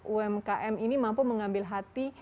umkm ini mampu mengambil hati